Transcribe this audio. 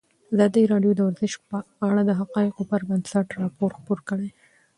ازادي راډیو د ورزش په اړه د حقایقو پر بنسټ راپور خپور کړی.